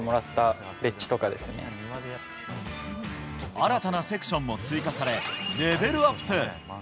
新たなセクションも追加されレベルアップ。